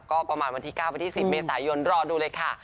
ก็ประมาณวันที่๙วันที่๑๐เมษายนรอดูเลยค่ะ